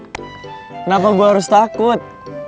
kenapa gue harus takut